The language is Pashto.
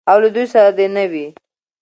او له دوی سره دې نه وي.